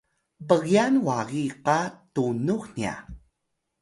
pgyan wagi qa tunux nya